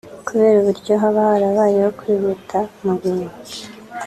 kubera uburyo haba harabayeho kwihuta mu bintu